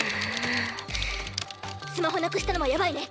スマホなくしたのはヤバいね！